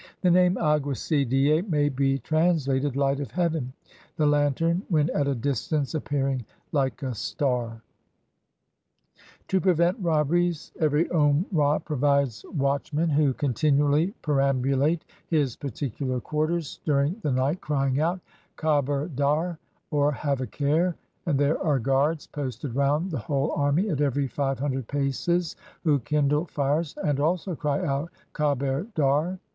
The name aguacy die may be trans lated Light of Heaven, the lantern when at a distance appearing like a star. To prevent robberies ever> Omrah pro\ ides watch 138 ON THE IVIARCli WITH AURUNGZEBE men, who continually perambulate his particular quar ters during the night, crying out, " Kaber dar !" or, Have a care! and there are guards posted round the whole army at every five hundred paces, who kindle fires, and also cry out " Kaber dar